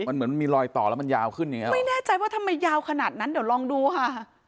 มันเหมือนมีรอยต่อแล้วมันยาวขึ้นอย่างเงี้ไม่แน่ใจว่าทำไมยาวขนาดนั้นเดี๋ยวลองดูค่ะ